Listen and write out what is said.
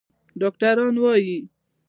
ډاکتران وايي